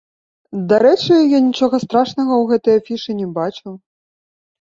Дарэчы, я нічога страшнага ў гэтай афішы не бачу.